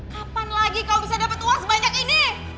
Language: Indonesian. kapan lagi kamu bisa dapet uang sebanyak ini